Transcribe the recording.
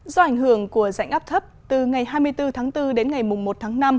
do ảnh hưởng của rãnh áp thấp từ ngày hai mươi bốn tháng bốn đến ngày một tháng năm